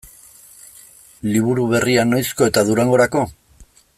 Liburu berria noizko eta Durangorako?